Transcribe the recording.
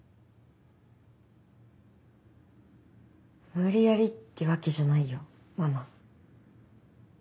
無理やりってわけじゃないよママ。